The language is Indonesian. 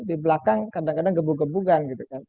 di belakang kadang kadang gebuk gebukan gitu kan